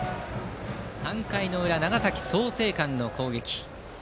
３回の裏、創成館の攻撃。